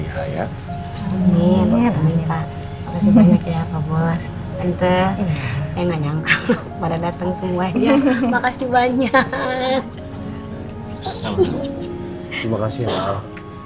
ini banyak ya pak bos ente saya nyangka pada datang semuanya makasih banyak terima kasih